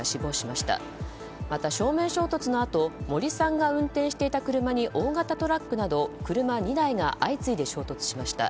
また、正面衝突のあと森さんが運転していた車に大型トラックなど車２台が相次いで衝突しました。